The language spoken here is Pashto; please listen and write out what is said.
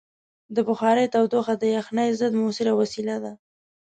د بخارۍ تودوخه د یخنۍ ضد مؤثره وسیله ده.